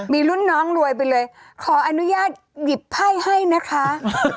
มีรุ่นน้องรวยไปเลยขออนุญาตหยิบไพ่ให้นะคะ